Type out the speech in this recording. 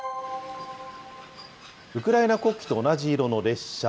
ウクライナ国旗と同じ色の列車。